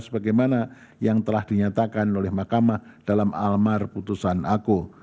sebagaimana yang telah dinyatakan oleh mahkamah dalam almar putusan aku